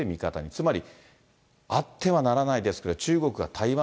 つまり、あってはならないですけど、中国が台湾、